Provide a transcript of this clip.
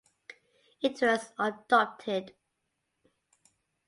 It was adopted.